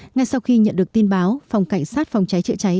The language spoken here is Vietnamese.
ngay sau khi nhận được tin báo phòng cảnh sát phòng cháy chữa cháy